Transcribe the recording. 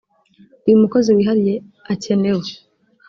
uyu mukozi wihariye akenewe